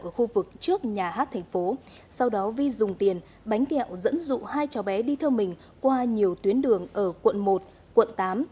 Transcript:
ở khu vực trước nhà hát thành phố sau đó vi dùng tiền bánh kẹo dẫn dụ hai cháu bé đi theo mình qua nhiều tuyến đường ở quận một quận tám